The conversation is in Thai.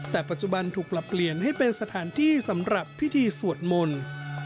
แต่ปัจจุบันถูกปรับเปลี่ยนให้เป็นสถานที่สำหรับพิธีสวดมนต์